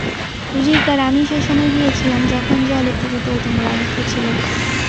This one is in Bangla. রিক আর আমি সেসময় গিয়েছিলাম যখন জলে পুরো টইটুম্বুর অবস্থা ছিল।